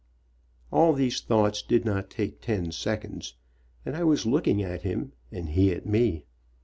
All these thoughts did not take ten seconds, and I was looking at him and he at me.